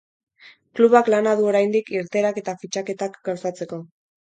Klubak lana du oraindik irteerak eta fitxaketak gauzatzeko.